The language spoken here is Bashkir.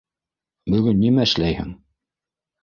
Бөгөн нимә эшләйһең?